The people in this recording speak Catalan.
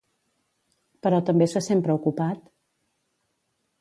Però també se sent preocupat?